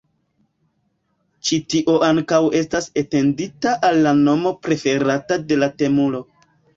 Ĉi tio ankaŭ estas etendita al la nomo preferata de la temulo.